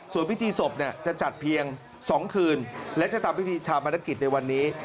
ส่วนพิธีศพจะจัดเพียง๒คืนและจะทำพิธีชาปนกิจในวันนี้